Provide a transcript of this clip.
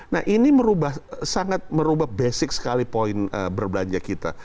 nah ini sangat merubah basic sekali poin berbelanja kita